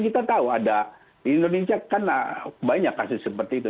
kita tahu ada di indonesia kan banyak kasus seperti itu